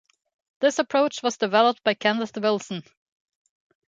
This approach was developed by Kenneth Wilson.